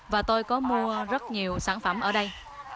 và tôi có mua rất nhiều sản phẩm ở đây